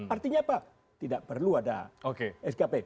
artinya apa tidak perlu ada skp